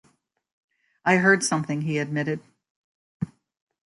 "I heard something," he admitted.